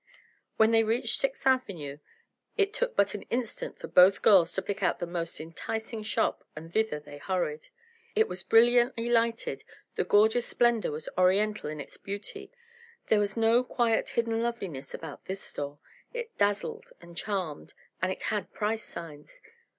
When they reached Sixth Avenue it took but an instant for both girls to pick out the most enticing shop and thither they hurried. It was brilliantly lighted, the gorgeous splendor was Oriental in its beauty, there was no quiet hidden loveliness about this store, it dazzled and charmed and it had price signs!